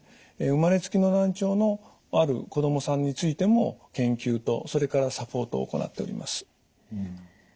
生まれつきの難聴のある子供さんについても研究とそれからサポートを行っております。